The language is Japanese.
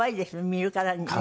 見るからにね。